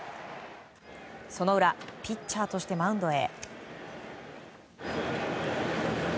その裏ピッチャーとしてマウンドへ。